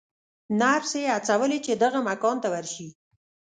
نرسې هڅولې چې دغه مکان ته ورشي.